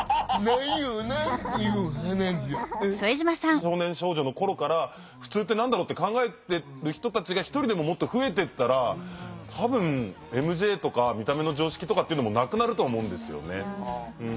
少年少女の頃から普通って何だろうって考えてる人たちが一人でももっと増えてったら多分ＭＪとか見た目の常識とかっていうのもなくなると思うんですよね。